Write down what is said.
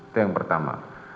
itu yang pertama